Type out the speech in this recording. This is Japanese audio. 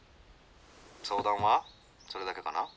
相談はそれだけかな？」。